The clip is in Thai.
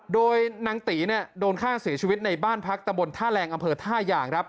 โดยนางตีโดนฆ่าเสียชีวิตในบ้านพักตะบนท่าแรงอำเภอท่ายางครับ